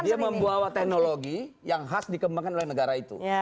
dia membawa teknologi yang khas dikembangkan oleh negara itu